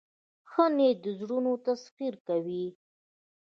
ښه نیت د زړونو تسخیر کوي.